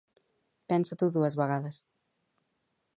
Pensa-t'ho dues vegades